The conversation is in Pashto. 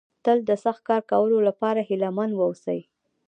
تل د سخت کار کولو لپاره هيله مند ووسئ.